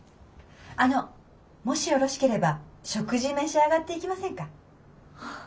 あのもしよろしければ食事召し上がっていきませんか？